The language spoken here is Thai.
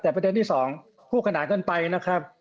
แต่ประเทศที่สองคู่ขนาดเกินไปนะครับ